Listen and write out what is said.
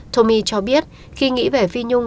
tommy cho biết khi nghĩ về phi nhung